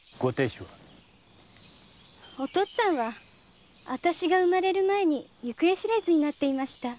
お父っつぁんは私が生まれる前に行方知れずになっていました。